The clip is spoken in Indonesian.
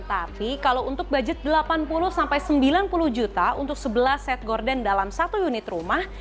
tapi kalau untuk budget delapan puluh sampai sembilan puluh juta untuk sebelas set gorden dalam satu unit rumah